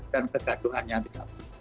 dan kegaduhannya tidak perlu